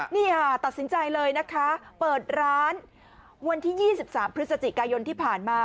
นี่ค่ะตัดสินใจเลยนะคะเปิดร้านวันที่๒๓พฤศจิกายนที่ผ่านมา